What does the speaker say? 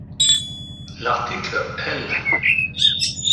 L’article L.